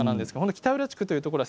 北浦地区というところは